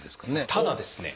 ただですね